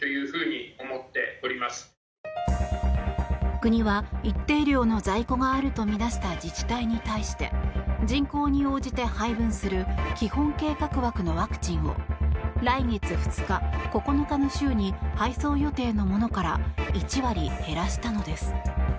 国は、一定量の在庫があるとみなした自治体に対して人口に応じて配分する基本計画枠のワクチンを来月２日、９日の週に配送予定のものから１割減らしたのです。